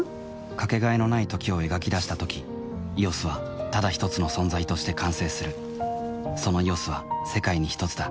かけがえのない「時」を描き出したとき「ＥＯＳ」はただひとつの存在として完成するその「ＥＯＳ」は世界にひとつだ